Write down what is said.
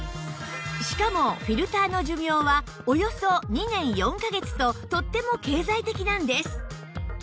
しかもフィルターの寿命はおよそ２年４カ月ととっても経済的なんです